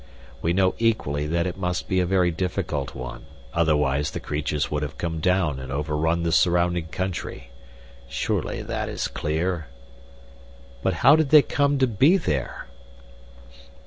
We know equally that it must be a very difficult one, otherwise the creatures would have come down and overrun the surrounding country. Surely that is clear?" "But how did they come to be there?"